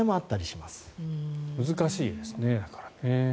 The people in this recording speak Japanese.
難しいですね。